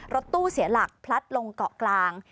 รถตู้เสียหลักพลัดลงเกาะกลาง